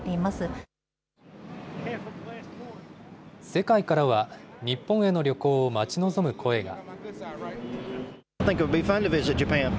世界からは、日本への旅行を待ち望む声が。